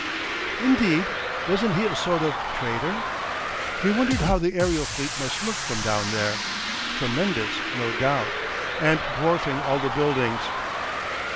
Indeed, wasn't he a sort of traitor?... He wondered how the aerial fleet must look from down there. Tremendous, no doubt, and dwarfing all the buildings.